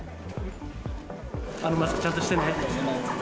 マスクちゃんとしてね。